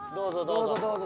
どうぞどうぞ。